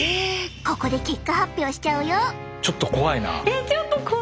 ここで結果発表しちゃうよ！